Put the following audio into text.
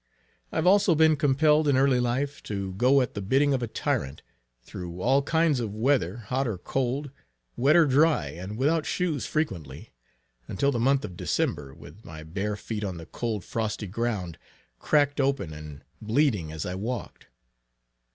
I have also been compelled in early life, to go at the bidding of a tyrant, through all kinds of weather, hot or cold, wet or dry, and without shoes frequently, until the month of December, with my bare feet on the cold frosty ground, cracked open and bleeding as I walked.